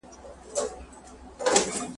دغه نجونو چي به له لمانځونکو څخه